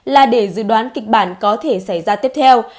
là để dự đoán kịch bản có thể xảy ra tiếp theo